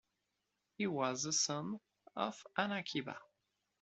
He was the son of Anaquiba.